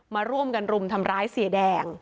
มาร่วมกันรุมทำร้ายเสียแดง